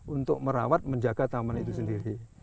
untuk merawat menjaga taman itu sendiri